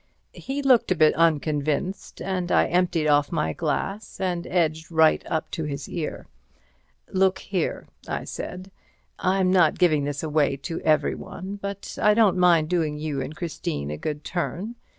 He looked a bit unconvinced, and I emptied off my glass, and edged right up to his ear. "Look here," I said, "I'm not giving this away to everyone, but I don't mind doing you and Christine a good turn.